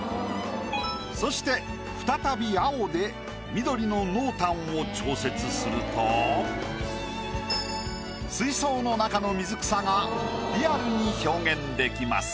そして再び青で緑の濃淡を調節すると水槽の中の水草がリアルに表現できます。